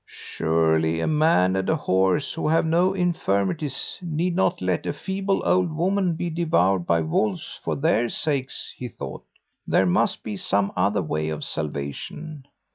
"'Surely a man and a horse who have no infirmities need not let a feeble old woman be devoured by wolves for their sakes!' he thought. 'There must be some other way of salvation.